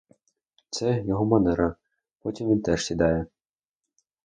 Це — його манера; потім він теж сідає.